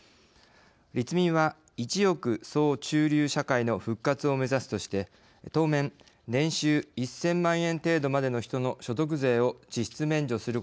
立民は１億総中流社会の復活を目指すとして当面年収１，０００万円程度までの人の所得税を実質免除することなど。